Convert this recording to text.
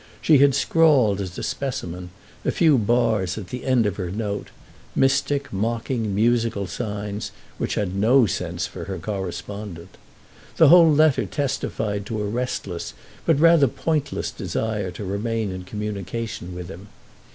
She had scrawled, as a specimen, a few bars at the end of her note, mystic, mocking musical signs which had no sense for her correspondent. The whole letter testified to a restless but rather pointless desire to remain in communication with him.